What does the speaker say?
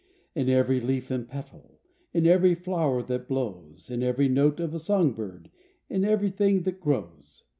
In every leaf and petal, In every flower that blows, In every note of a song bird, In everything that grows.